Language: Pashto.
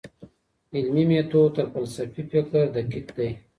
علمي ميتود تر فلسفي فکر دقيق دی.